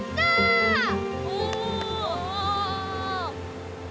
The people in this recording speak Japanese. おお！